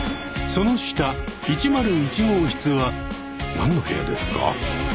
その下１０１号室は何の部屋ですか？